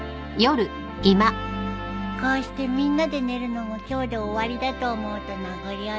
こうしてみんなで寝るのも今日で終わりだと思うと名残惜しいね。